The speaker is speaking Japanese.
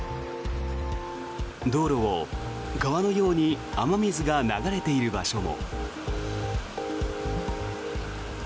道路を川のように雨水が流れている場所も。